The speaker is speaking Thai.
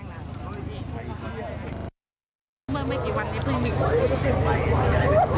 ภูเมื่อไม่กี่วันนี้